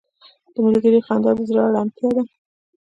• د ملګري خندا د زړه ارامتیا ده.